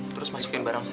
terus masukin barang saya